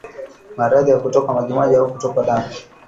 Maradhi ya kutokwa majimaji au kutokwa damu